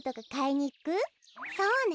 そうね。